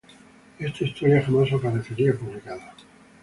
Esta historia jamás aparecería publicada.